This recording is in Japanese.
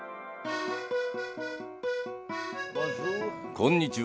こんにちは。